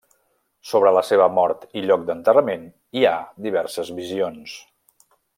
Sobre la seva mort i lloc d'enterrament hi ha diverses visions.